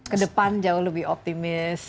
ke depan jauh lebih optimis